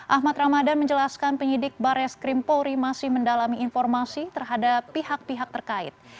ahmad ramadan menjelaskan penyidik bares krim polri masih mendalami informasi terhadap pihak pihak terkait